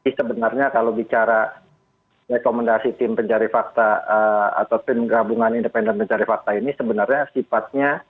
jadi sebenarnya kalau bicara rekomendasi tim pencari fakta atau tim gabungan independen pencari fakta ini sebenarnya sifatnya